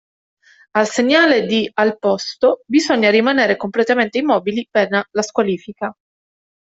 Al segnale di "Al posto" bisogna rimanere completamente immobili, pena la squalifica.